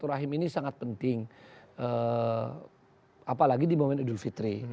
rahim ini sangat penting apalagi di momen idul fitri